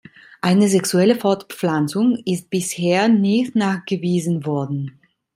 Eine sexuelle Fortpflanzung ist bisher nicht nachgewiesen worden.